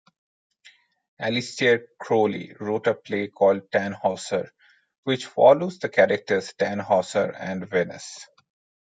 Aleister Crowley wrote a play called "Tannhauser" which follows the characters Tannhauser and Venus.